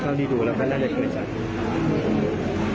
แต่ตอนที่ดูแล้วก็น่าจะเคลื่อนจาก